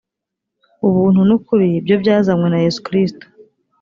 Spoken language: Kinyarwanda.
ubuntu n’ukuri byo byazanywe na yesu kristo